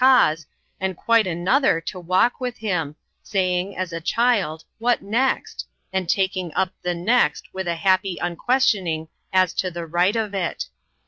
cause, and quite another to walk with him, saying, as a child, " What next ?" and tak ing up the " next " with a happ}> unques tioning as to the right of it.